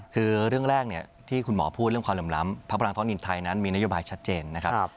คือเรื่องแรกที่คุณหมอพูดเรื่องความเหลื่อมล้ำพับพลังท้องถิ่นไทยนั้นมีนโยบายชัดเจนนะครับ